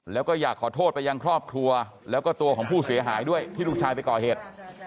แล้วก็อยากขอโทษไปยังครอบครัวแล้วก็ตัวของผู้เสียหายด้วยที่ลูกชายไปก่อเหตุ